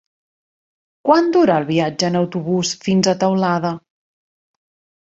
Quant dura el viatge en autobús fins a Teulada?